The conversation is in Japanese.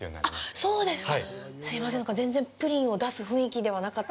あ、そうですか。